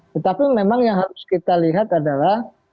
tetapi memang yang harus kita lihat adalah